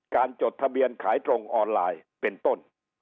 จดทะเบียนขายตรงออนไลน์เป็นต้น